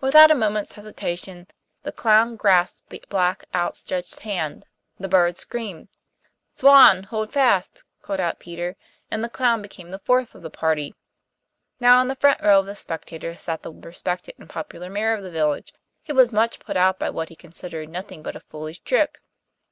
Without a moment's hesitation the clown grasped the black outstretched hand. The bird screamed. 'Swan, hold fast,' called out Peter, and the clown became the fourth of the party. Now in the front row of the spectators sat the respected and popular Mayor of the village, who was much put out by what he considered nothing but a foolish trick.